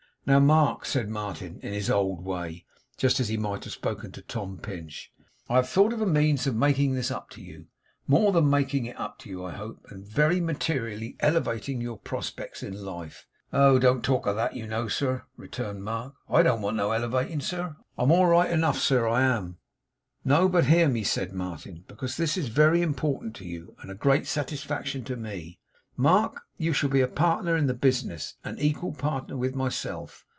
Now, Mark,' said Martin, in his old way, just as he might have spoken to Tom Pinch, 'I have thought of a means of making this up to you more than making it up to you, I hope and very materially elevating your prospects in life.' 'Oh! don't talk of that, you know, sir,' returned Mark. 'I don't want no elevating, sir. I'm all right enough, sir, I am.' 'No, but hear me,' said Martin, 'because this is very important to you, and a great satisfaction to me. Mark, you shall be a partner in the business; an equal partner with myself.